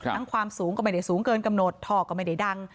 ความสูงก็ไม่ได้สูงเกินกำหนดท่อก็ไม่ได้ดัง